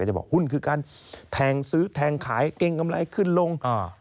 จะบอกหุ้นคือการแทงซื้อแทงขายเกรงกำไรขึ้นลง